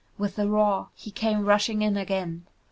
With a roar, he came rushing in again.